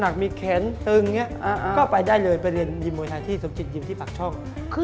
คือสอนแบบมวยจริง